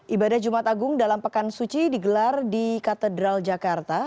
ibadah jumat agung dalam pekan suci digelar di katedral jakarta